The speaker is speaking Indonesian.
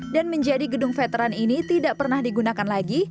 dan menjadi gedung veteran ini tidak pernah digunakan lagi